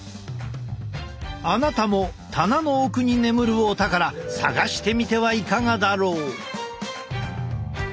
あなたも棚の奥に眠るお宝探してみてはいかがだろう？